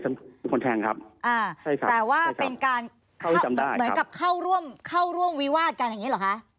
ใช่ค่ะแต่ว่าเป็นการเหนื่อยกับเข้าร่วมวิวาสกันอย่างนี้เหรอคะ